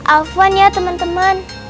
alvan ya teman teman